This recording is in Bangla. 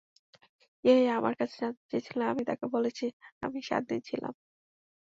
ইয়াহিয়া আমার কাছে জানতে চেয়েছিলেন, আমি তাঁকে বলেছি, আমি সাত দিন ছিলাম।